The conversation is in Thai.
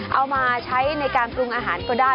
เอามาใช้ในการปรุงอาหารก็ได้